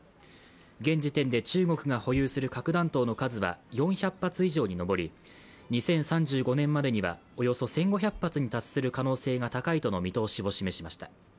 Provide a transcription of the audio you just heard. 現時点で中国が保有する核弾頭の数は４００発以上にのぼり、２０３５年までにはおよそ１５００発に達する可能性が高いとの見通しを示しました。